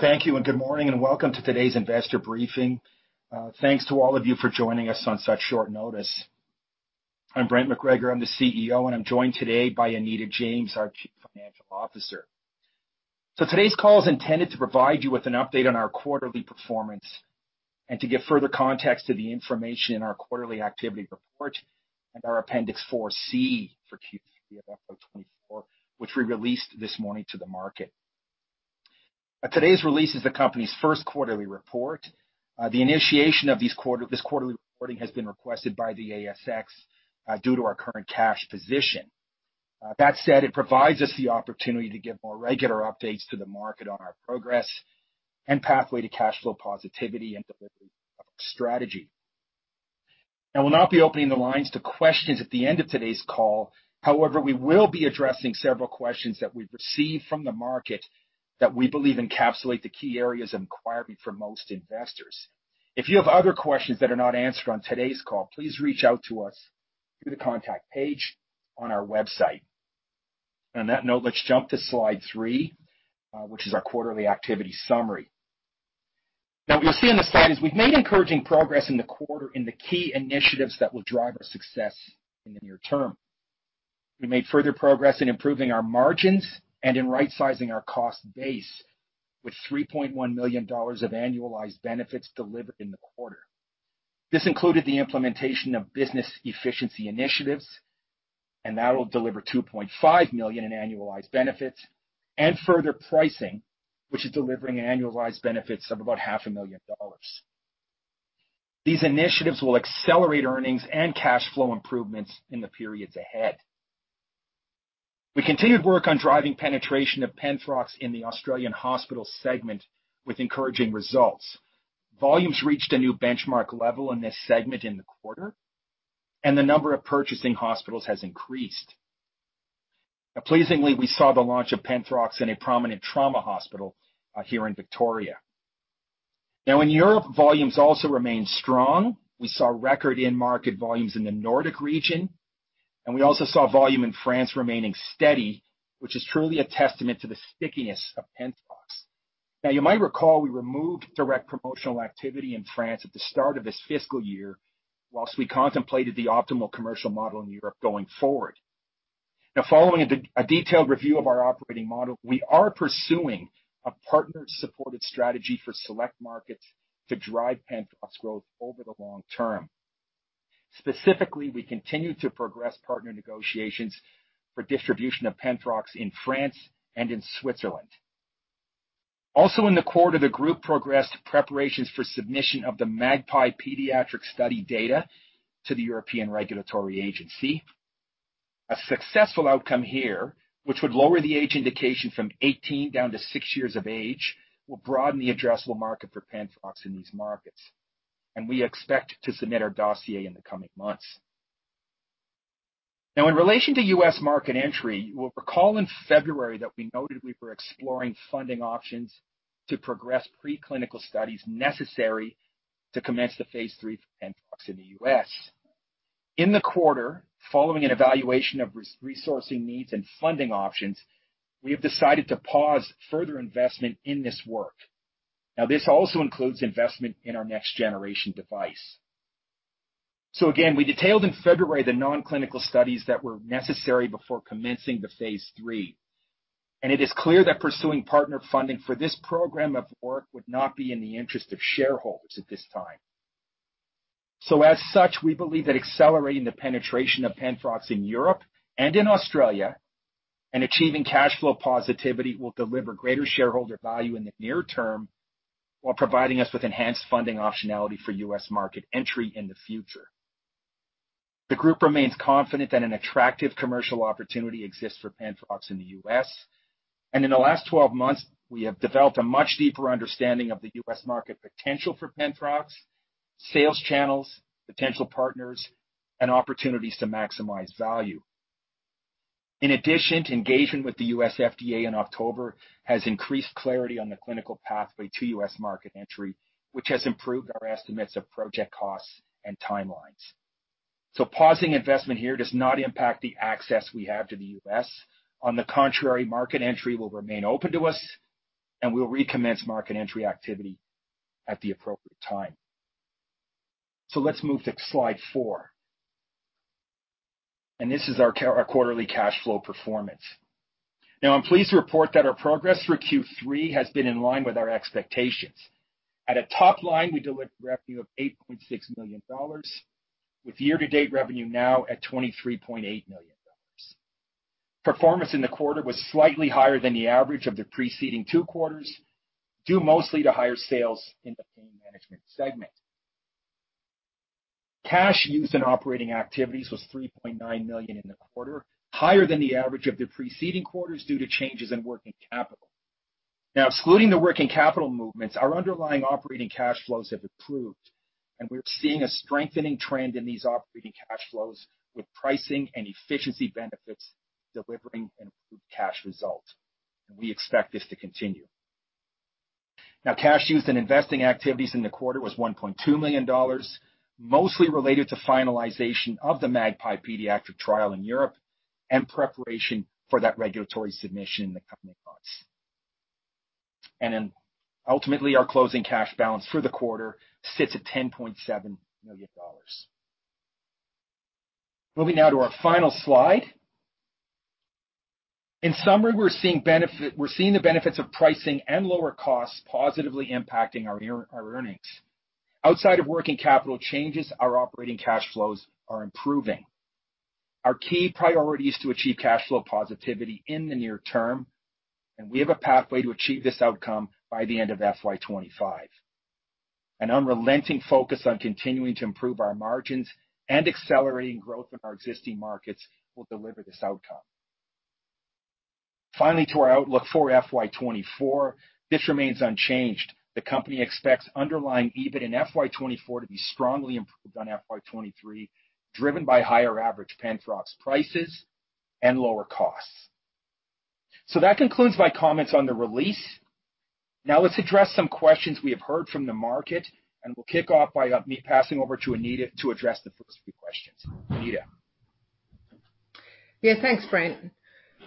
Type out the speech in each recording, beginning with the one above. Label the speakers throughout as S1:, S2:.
S1: Thank you, and good morning, and welcome to today's Investor Briefing. Thanks to all of you for joining us on such short notice. I'm Brent MacGregor, I'm the CEO, and I'm joined today by Anita James, our Chief Financial Officer. Today's call is intended to provide you with an update on our quarterly performance and to give further context to the information in our quarterly activity report and our Appendix 4C for Q3 of FY24, which we released this morning to the market. Today's release is the company's first quarterly report. The initiation of these quarter- this quarterly reporting has been requested by the ASX due to our current cash position. That said, it provides us the opportunity to give more regular updates to the market on our progress and pathway to cash flow positivity and delivery of our strategy. I will not be opening the lines to questions at the end of today's call. However, we will be addressing several questions that we've received from the market that we believe encapsulate the key areas of inquiry for most investors. If you have other questions that are not answered on today's call, please reach out to us through the contact page on our website. On that note, let's jump to slide 3, which is our quarterly activity summary. Now, what you'll see on this slide is we've made encouraging progress in the quarter in the key initiatives that will drive our success in the near term. We made further progress in improving our margins and in right-sizing our cost base, with 3.1 million dollars of annualized benefits delivered in the quarter. This included the implementation of business efficiency initiatives, and that will deliver 2.5 million in annualized benefits, and further pricing, which is delivering annualized benefits of about 500,000 dollars. These initiatives will accelerate earnings and cash flow improvements in the periods ahead. We continued work on driving penetration of Penthrox in the Australian hospital segment with encouraging results. Volumes reached a new benchmark level in this segment in the quarter, and the number of purchasing hospitals has increased. Now, pleasingly, we saw the launch of Penthrox in a prominent trauma hospital here in Victoria. Now, in Europe, volumes also remained strong. We saw record in-market volumes in the Nordic region, and we also saw volume in France remaining steady, which is truly a testament to the stickiness of Penthrox. You might recall, we removed direct promotional activity in France at the start of this fiscal year, whilst we contemplated the optimal commercial model in Europe going forward. Following a detailed review of our operating model, we are pursuing a partner-supported strategy for select markets to drive Penthrox growth over the long term. Specifically, we continue to progress partner negotiations for distribution of Penthrox in France and in Switzerland. Also in the quarter, the group progressed preparations for submission of the MAGPIE pediatric study data to the European Regulatory Agency. A successful outcome here, which would lower the age indication from 18 down to 6 years of age, will broaden the addressable market for Penthrox in these markets, and we expect to submit our dossier in the coming months. In relation to US market entry, you will recall in February that we noted we were exploring funding options to progress preclinical studies necessary to commence the phase III for Penthrox in the US. In the quarter, following an evaluation of resourcing needs and funding options, we have decided to pause further investment in this work. This also includes investment in our next-generation device. Again, we detailed in February the non-clinical studies that were necessary before commencing the phase III, and it is clear that pursuing partner funding for this program of work would not be in the interest of shareholders at this time. So as such, we believe that accelerating the penetration of Penthrox in Europe and in Australia, and achieving cash flow positivity, will deliver greater shareholder value in the near term, while providing us with enhanced funding optionality for U.S. market entry in the future. The group remains confident that an attractive commercial opportunity exists for Penthrox in the U.S., and in the last 12 months, we have developed a much deeper understanding of the U.S. market potential for Penthrox, sales channels, potential partners, and opportunities to maximize value. In addition, engagement with the U.S. FDA in October has increased clarity on the clinical pathway to U.S. market entry, which has improved our estimates of project costs and timelines. So pausing investment here does not impact the access we have to the U.S. On the contrary, market entry will remain open to us, and we'll recommence market entry activity at the appropriate time. So let's move to slide 4. This is our quarterly cash flow performance. I'm pleased to report that our progress for Q3 has been in line with our expectations. At a top line, we delivered revenue of 8.6 million dollars, with year-to-date revenue now at 23.8 million dollars. Performance in the quarter was slightly higher than the average of the preceding two quarters, due mostly to higher sales in the Pain Management segment. Cash used in operating activities was 3.9 million in the quarter, higher than the average of the preceding quarters due to changes in working capital. Excluding the working capital movements, our underlying operating cash flows have improved, and we're seeing a strengthening trend in these operating cash flows with pricing and efficiency benefits delivering improved cash results, and we expect this to continue. Cash used in investing activities in the quarter was 1.2 million dollars, mostly related to finalization of the MAGPIE pediatric trial in Europe and preparation for that regulatory submission the company wants. Ultimately, our closing cash balance for the quarter sits at 10.7 million dollars. Moving now to our final slide. In summary, we're seeing the benefits of pricing and lower costs positively impacting our earnings. Outside of working capital changes, our operating cash flows are improving. Our key priority is to achieve cash flow positivity in the near term, and we have a pathway to achieve this outcome by the end of FY25. An unrelenting focus on continuing to improve our margins and accelerating growth in our existing markets will deliver this outcome. Finally, to our outlook for FY24, this remains unchanged. The company expects underlying EBIT in FY24 to be strongly improved on FY23, driven by higher average Penthrox prices and lower costs. So that concludes my comments on the release. Let's address some questions we have heard from the market, and we'll kick off by me passing over to Anita to address the first few questions. Anita?
S2: Yeah, thanks, Brent.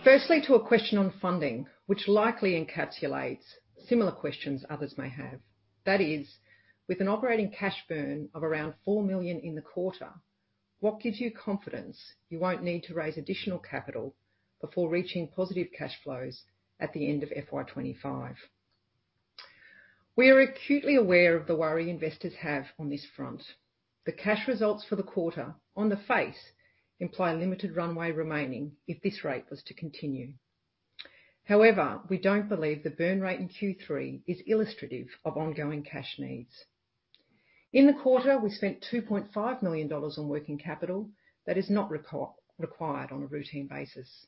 S2: Firstly, to a question on funding, which likely encapsulates similar questions others may have. That is, with an operating cash burn of around 4 million in the quarter, what gives you confidence you won't need to raise additional capital before reaching positive cash flows at the end of FY25? We are acutely aware of the worry investors have on this front. The cash results for the quarter, on the face, imply limited runway remaining if this rate was to continue. We don't believe the burn rate in Q3 is illustrative of ongoing cash needs. In the quarter, we spent 2.5 million dollars on working capital. That is not required on a routine basis.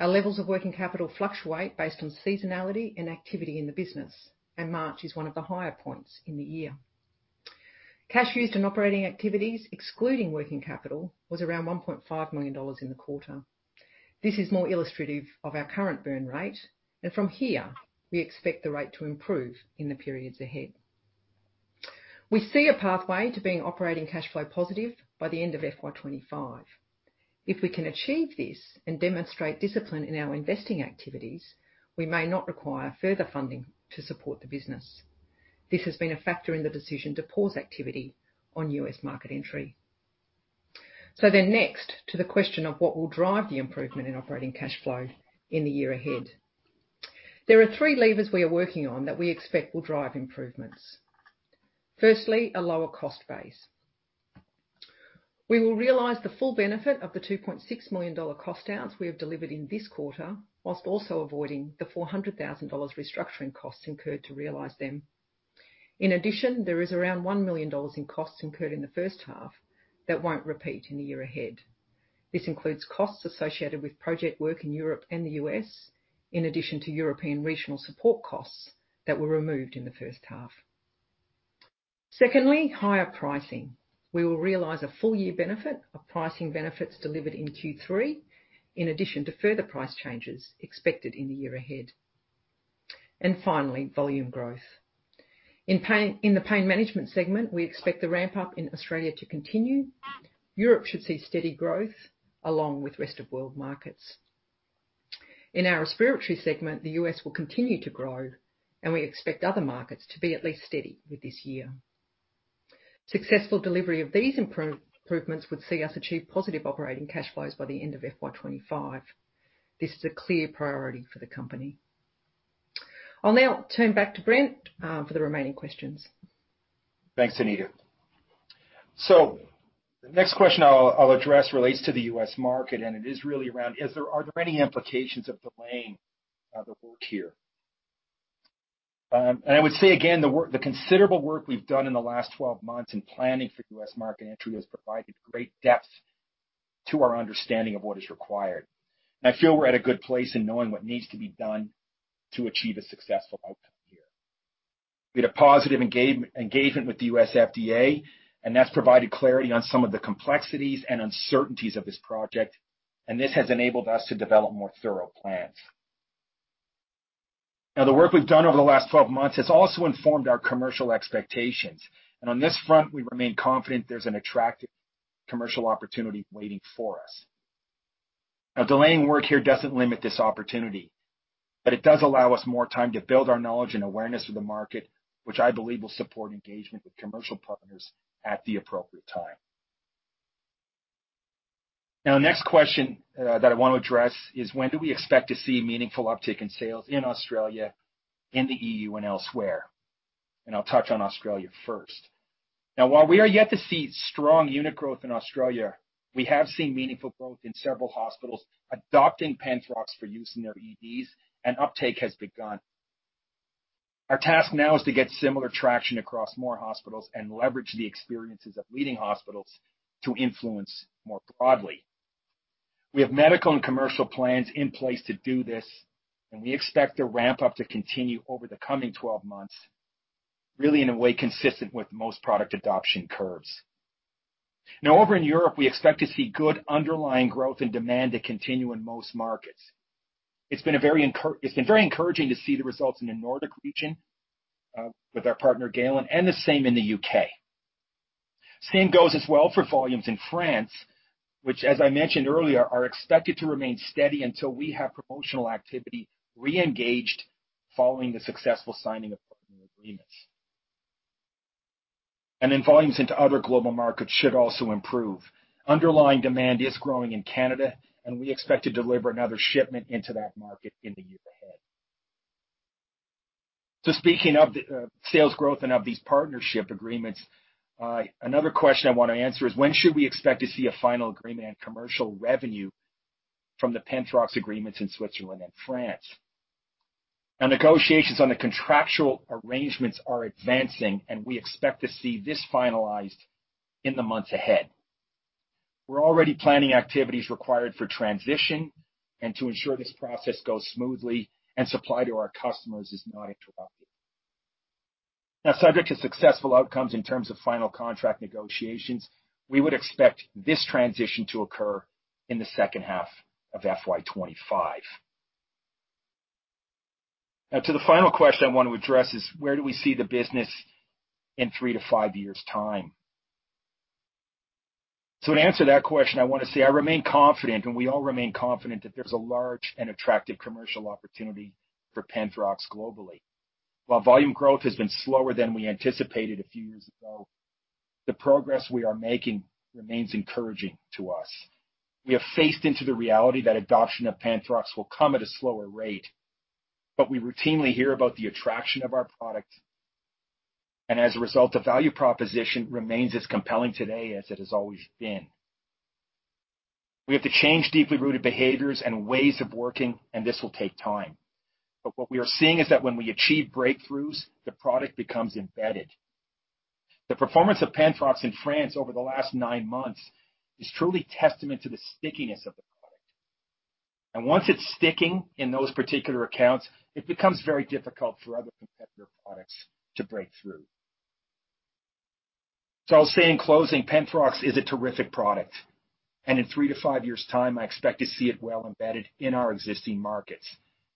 S2: Our levels of working capital fluctuate based on seasonality and activity in the business, and March is one of the higher points in the year. Cash used in operating activities, excluding working capital, was around 1.5 million dollars in the quarter. This is more illustrative of our current burn rate, and from here, we expect the rate to improve in the periods ahead. We see a pathway to being operating cash flow positive by the end of FY25. If we can achieve this and demonstrate discipline in our investing activities, we may not require further funding to support the business. This has been a factor in the decision to pause activity on U.S. market entry. So the next to the question of what will drive the improvement in operating cash flow in the year ahead. There are three levers we are working on that we expect will drive improvements. Firstly, a lower cost base. We will realize the full benefit of the 2.6 million dollar cost downs we have delivered in this quarter, whilst also avoiding the 400,000 dollars restructuring costs incurred to realize them. In addition, there is around 1 million dollars in costs incurred in the first half that won't repeat in the year ahead. This includes costs associated with project work in Europe and the U.S. in addition to European regional support costs that were removed in the first half. Secondly, higher pricing. We will realize a full year benefit of pricing benefits delivered in Q3, in addition to further price changes expected in the year ahead. Finally, volume growth. In pain, in the Pain Management segment, we expect the ramp-up in Australia to continue. Europe should see steady growth along with rest of world markets. In our Respiratory segment, the US will continue to grow, and we expect other markets to be at least steady with this year. Successful delivery of these improvements would see us achieve positive operating cash flows by the end of FY25. This is a clear priority for the company. I'll now turn back to Brent for the remaining questions.
S1: Thanks, Anita. So. the next question I'll address relates to the U.S. market, and it is really around: is there, are there any implications of delaying the work here? I would say again, the work, the considerable work we've done in the last 12 months in planning for U.S. market entry has provided great depth to our understanding of what is required. I feel we're at a good place in knowing what needs to be done to achieve a successful outcome here. We had a positive engagement with the US FDA, and that's provided clarity on some of the complexities and uncertainties of this project, and this has enabled us to develop more thorough plans. The work we've done over the last 12 months has also informed our commercial expectations. On this front, we remain confident there's an attractive commercial opportunity waiting for us. Delaying work here doesn't limit this opportunity. It does allow us more time to build our knowledge and awareness of the market, which I believe will support engagement with commercial partners at the appropriate time. Next question that I want to address is: when do we expect to see meaningful uptick in sales in Australia, in the E.U. and elsewhere? I'll touch on Australia first. While we are yet to see strong unit growth in Australia, we have seen meaningful growth in several hospitals adopting Penthrox for use in their EDs. Uptake has begun. Our task now is to get similar traction across more hospitals and leverage the experiences of leading hospitals to influence more broadly. We have medical and commercial plans in place to do this, and we expect the ramp-up to continue over the coming 12 months, really in a way consistent with most product adoption curves. Over in Europe, we expect to see good underlying growth and demand to continue in most markets. It's been very encouraging to see the results in the Nordic region, with our partner, Galen, and the same in the U.K. Same goes as well for volumes in France, which, as I mentioned earlier, are expected to remain steady until we have promotional activity re-engaged following the successful signing of partner agreements. Volumes into other global markets should also improve. Underlying demand is growing in Canada, we expect to deliver another shipment into that market in the year ahead. Speaking of the sales growth and of these partnership agreements, another question I want to answer is: when should we expect to see a final agreement on commercial revenue from the Penthrox agreements in Switzerland and France? Negotiations on the contractual arrangements are advancing, we expect to see this finalized in the months ahead. We're already planning activities required for transition and to ensure this process goes smoothly and supply to our customers is not interrupted. Subject to successful outcomes in terms of final contract negotiations, we would expect this transition to occur in the second half of FY25. To the final question I want to address is: where do we see the business in three to five years' time? To answer that question, I want to say I remain confident, and we all remain confident, that there's a large and attractive commercial opportunity for Penthrox globally. While volume growth has been slower than we anticipated a few years ago, the progress we are making remains encouraging to us. We have faced into the reality that adoption of Penthrox will come at a slower rate, but we routinely hear about the attraction of our product, and as a result, the value proposition remains as compelling today as it has always been. We have to change deeply rooted behaviors and ways of working, and this will take time. What we are seeing is that when we achieve breakthroughs, the product becomes embedded. The performance of Penthrox in France over the last nine months is truly testament to the stickiness of the product. Once it's sticking in those particular accounts, it becomes very difficult for other competitor products to break through. I'll say in closing, Penthrox is a terrific product, and in three to five years' time, I expect to see it well embedded in our existing markets.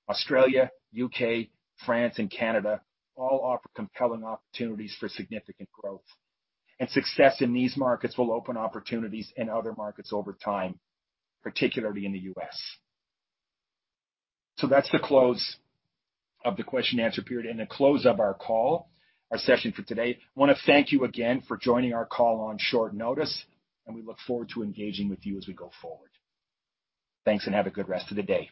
S1: Australia, U.K., France, and Canada all offer compelling opportunities for significant growth, and success in these markets will open opportunities in other markets over time, particularly in the U.S. That's the close of the question and answer period, and the close of our call, our session for today. I want to thank you again for joining our call on short notice, and we look forward to engaging with you as we go forward. Thanks, and have a good rest of the day.